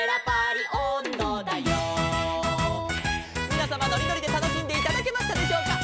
「みなさまのりのりでたのしんでいただけましたでしょうか」